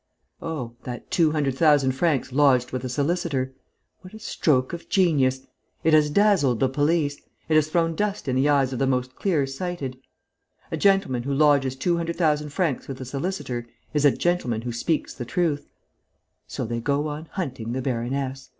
Oh, that two hundred thousand francs lodged with a solicitor: what a stroke of genius! It has dazzled the police! It has thrown dust in the eyes of the most clear sighted! A gentleman who lodges two hundred thousand francs with a solicitor is a gentleman who speaks the truth.... So they go on hunting the baroness!